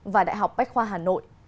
và đại học bách khoa hà nội